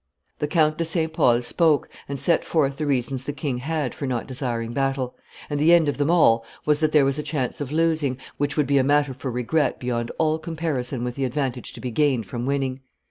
The Count de St. Pol spoke and set forth the reasons the king had for not desiring battle; and the end of them all was that there was a chance of losing, which would be a matter for regret beyond all comparison with the advantage to be gained from winning.